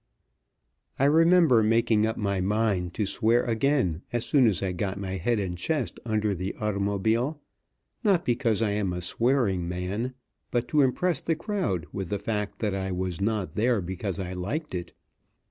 I remember making up my mind to swear again as soon as I got my head and chest under the automobile, not because I am a swearing man, but to impress the crowd with the fact that I was not there because I liked it.